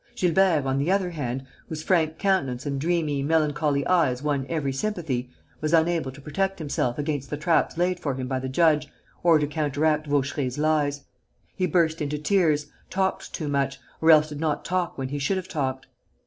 Gilbert, on the other hand, whose frank countenance and dreamy, melancholy eyes won every sympathy, was unable to protect himself against the traps laid for him by the judge or to counteract Vaucheray's lies. He burst into tears, talked too much, or else did not talk when he should have talked.